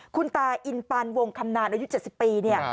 คุณตาอินปันวงคำนานอายุ๗๐ปีเนี่ย